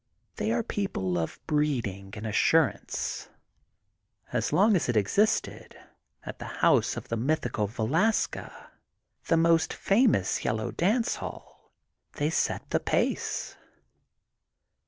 They are people of breeding and assurance. As long as it ex isted, at the house of the Mythical Veleska the most famous yellow dance hall, they set the pace.